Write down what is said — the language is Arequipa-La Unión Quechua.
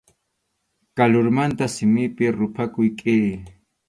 Kalurmanta simipi ruphakuq kʼiri.